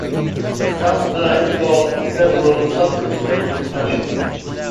Kastner installed several such instruments in Paris.